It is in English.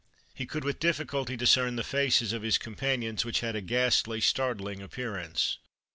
He could with difficulty discern the faces of his companions which had a ghastly startling appearance.